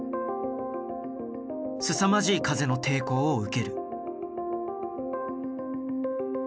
すさまじい風の抵抗を受ける。